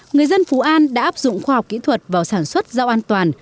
người dân phú an đã áp dụng khoa học kỹ thuật vào sản xuất rau an toàn